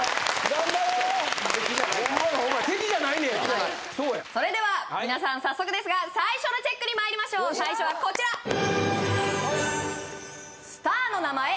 そうやそれでは皆さん早速ですが最初のチェックにまいりましょう最初はこちらスターの名前